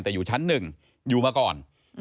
แต่อยู่ชั้น๑อยู่มาก่อน